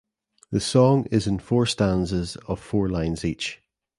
The song is in four stanzas of four lines each.